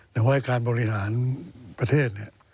แต่ว่าการบริหารประเทศเนี่ย